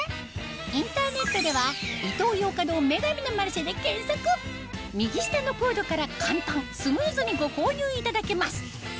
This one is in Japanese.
インターネットでは右下のコードから簡単スムーズにご購入いただけます